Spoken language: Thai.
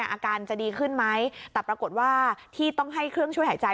อาการจะดีขึ้นไหมแต่ปรากฏว่าที่ต้องให้เครื่องช่วยหายใจ